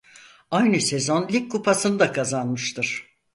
Aynı sezon lig kupasını da kazanmıştır.